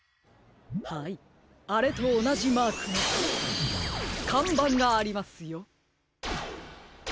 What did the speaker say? はいあれとおなじマークのかんばんがありますよ。